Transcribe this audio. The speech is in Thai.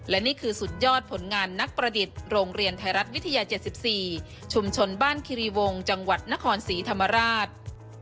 และนี่คือสุดยอดผลงานนักประดิษฐ์โรงเรียนไทยรัฐวิทยา๗๔ชุมชนบ้านคิรีวงจังหวัดนครศรีธรรมราช